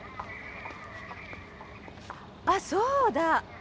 あっそうだ！